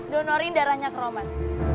donori darahnya ke roman